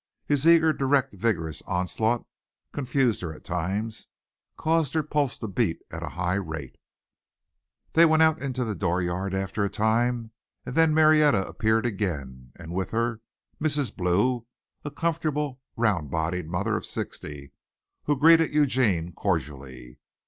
His eager, direct, vigorous onslaught confused her at times caused her pulse to beat at a high rate. They went out into the dooryard after a time and then Marietta appeared again, and with her Mrs. Blue, a comfortable, round bodied mother of sixty, who greeted Eugene cordially.